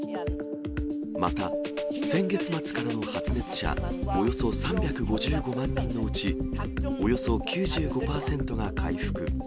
また先月末からの発熱者、およそ３５５万人のうち、およそ９５％が回復。